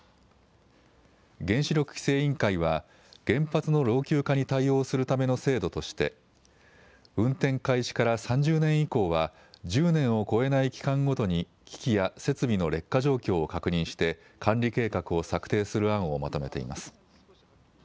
原子力規制委員会は原発の老朽化に対応するための制度として運転開始から３０年以降は１０年を超えない期間ごとに機器や設備の劣化状況を確認して管理計画を策定する案をまとめています。